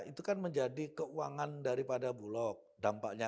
itu kan menjadi keuangan daripada bulog dampaknya